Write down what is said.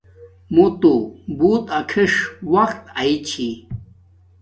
موتو بوت اکیݽ وقت اݵ چھی